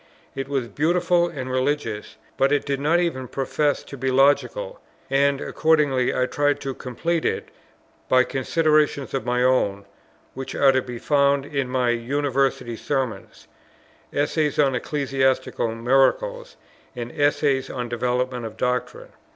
It was beautiful and religious, but it did not even profess to be logical; and accordingly I tried to complete it by considerations of my own, which are to be found in my University Sermons, Essay on Ecclesiastical Miracles, and Essay on Development of Doctrine.